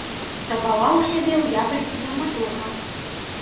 Спрабаваў сябе ў якасці драматурга.